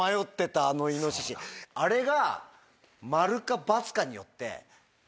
あれが。によって。